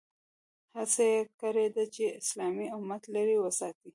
هڅه یې کړې ده چې اسلامي امت لرې وساتي.